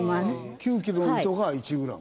９キロの糸が１グラム？